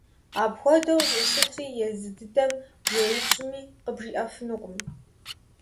Апхуэдэу щӀыщытри езы дыдэм уеупщӀми къыбжиӀэфынукъым.